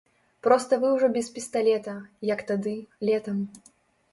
Проста вы ўжо без пісталета, як тады, летам.